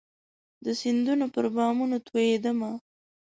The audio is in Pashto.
د سیندونو پر بامونو توئيدمه